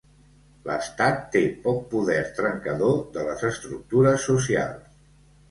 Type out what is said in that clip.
L’estat té poc poder trencador de les estructures socials.